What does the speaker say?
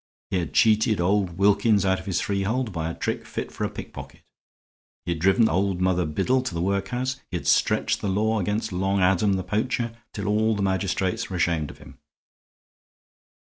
He had cheated old Wilkins out of his freehold by a trick fit for a pickpocket; he had driven old Mother Biddle to the workhouse; he had stretched the law against Long Adam, the poacher, till all the magistrates were ashamed of him.